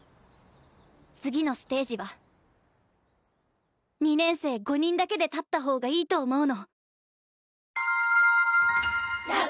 次のステージは２年生５人だけで立った方がいいと思うの。